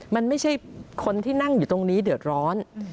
มันไม่ใช่คนที่นั่งอยู่ตรงนี้เดือดร้อน